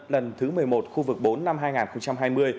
lần thứ một mươi một khu vực bốn năm hai nghìn hai mươi